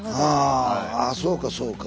ああそうかそうか。